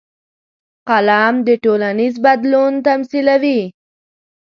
قلم د ټولنیز بدلون تمثیلوي